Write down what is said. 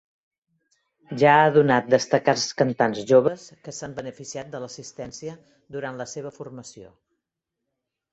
Ja ha donat destacats cantants joves que s'han beneficiat de l'assistència durant la seva formació.